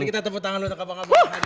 kita tepuk tangan untuk kabar